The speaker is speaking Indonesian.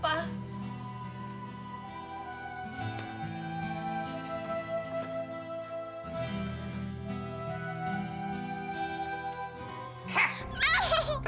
tidak ada apa